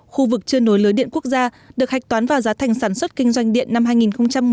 khu vực chưa nối lưới điện quốc gia được hạch toán vào giá thành sản xuất kinh doanh điện năm hai nghìn một mươi